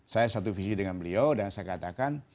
saya satu visi dengan beliau dan saya katakan